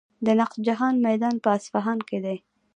د نقش جهان میدان په اصفهان کې دی.